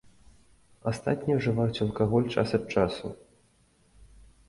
Астатнія ўжываюць алкаголь час ад часу.